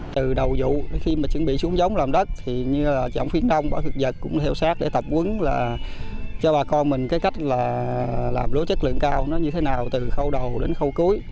từ đầu dụ khi mà chuẩn bị xuống giống làm đất thì như là dọng khuyến đông bảo thực vật cũng theo sát để tập quấn là cho bà con mình cái cách là làm lúa chất lượng cao nó như thế nào từ khâu đầu đến khâu cuối